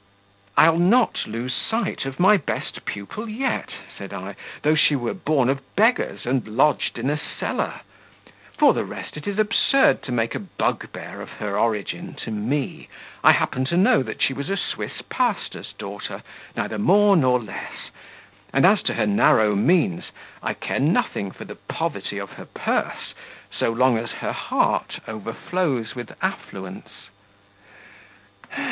'" "I'll not lose sight of my best pupil yet," said I, "though she were born of beggars and lodged in a cellar; for the rest, it is absurd to make a bugbear of her origin to me I happen to know that she was a Swiss pastor's daughter, neither more nor less; and, as to her narrow means, I care nothing for the poverty of her purse so long as her heart overflows with affluence."